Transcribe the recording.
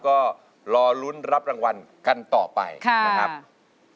ก็รอลุ้นรับรางวัลกันต่อไปนะครับ